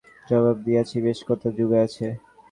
সীতারাম মনে মনে ভাবিল, খুব জবাব দিয়াছি, বেশ কথা জোগাইয়াছে।